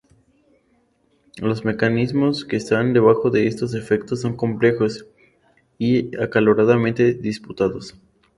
Los mecanismos que están debajo de estos efectos son complejos y acaloradamente disputados.